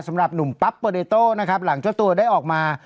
สำหรับหนุ่มปั๊บโปเดโต้นะครับหลังเจ้าตัวได้ออกมา